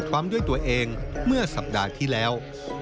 พร้อมด้วยตัวเองเมื่อสัปดาห์ที่แล้ว